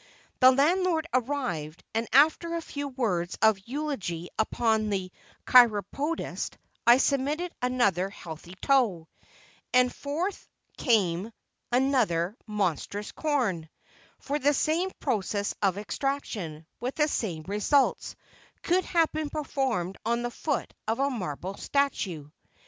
The landlord arrived, and, after a few words of eulogy upon the chiropodist, I submitted another healthy toe, and forth came another monstrous corn; for the same process of extraction, with the same results, could have been performed on the foot of a marble statue.